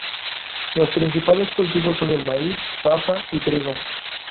Los principales cultivos son el maíz, papa y trigo.